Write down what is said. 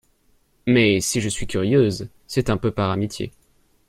Mais, si je suis curieuse, c'est un peu par amitié.